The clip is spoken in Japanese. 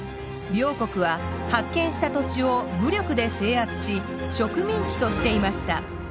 両国は発見した土地を武力で制圧し植民地としていました。